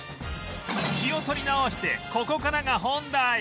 気を取り直してここからが本題